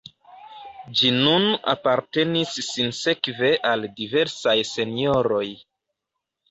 Ĝi nun apartenis sinsekve al diversaj senjoroj.